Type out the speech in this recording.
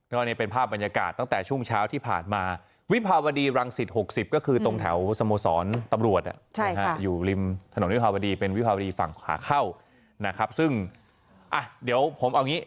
แล้วอันนี้เป็นภาพบรรยากาศตั้งแต่ช่วงเช้าที่ผ่านมาวิภาวดีรังศิษฐ์๖๐ก็คือตรงแถวสโมสรตำรวจอยู่ริมถนนวิภาวดีเป็นวิภาวดีฝั่งขาเข้า